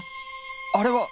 あれは！